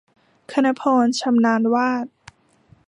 คณภรณ์ ชำนาญวาด